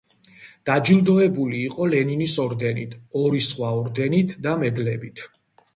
დაჯილდოებული იყო ლენინის ორდენით, ორი სხვა ორდენით და მედლებით.